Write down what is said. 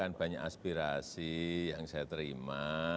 kan banyak aspirasi yang saya terima